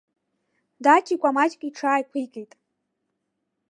Даҭикәа маҷк иҽааиқәикит.